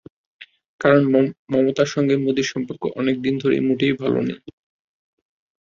কারণ, মমতার সঙ্গে মোদির সম্পর্ক অনেক দিন ধরেই মোটেও ভালো নেই।